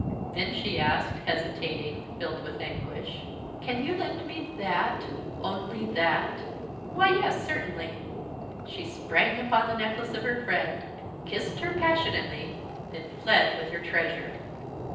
Then she asked, hesitating, filled with anguish: "Can you lend me that, only that?" "Why, yes, certainly." She sprang upon the neck of her friend, kissed her passionately, then fled with her treasure.